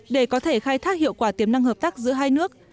để có thể khai thác hiệu quả tiềm năng hợp tác giữa hai nước